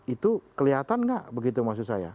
itu kelihatan nggak begitu maksud saya